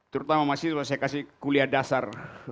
terutama mahasiswa saya kasih kuliah dasar